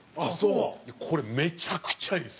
これ、めちゃくちゃいいです